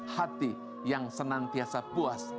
hati yang senantiasa puas